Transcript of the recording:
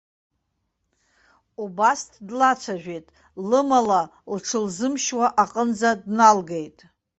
Убас длацәажәеит, лымала лҽылзымшьуа аҟынӡа дналгеит.